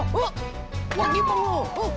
buat dipeng lo